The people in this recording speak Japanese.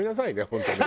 本当に。